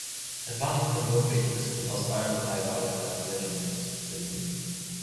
Es war nicht mehr möglich, Listen aus allen drei Wahlkreisen miteinander zu verbinden.